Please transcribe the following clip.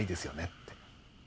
って。